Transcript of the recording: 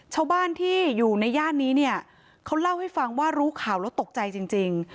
ชาวบ้านที่อยู่ในย่านนี้เนี่ยเขาเล่าให้ฟังว่ารู้ข่าวแล้วตกใจจริง